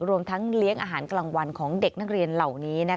รวมทั้งเลี้ยงอาหารกลางวันของเด็กนักเรียนเหล่านี้